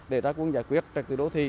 để ra cuốn giải quyết trật tự đô thị